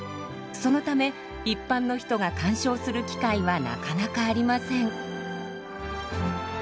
そのため一般の人が鑑賞する機会はなかなかありません。